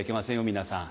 皆さん。